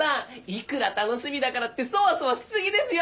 いくら楽しみだからってソワソワしすぎですよ！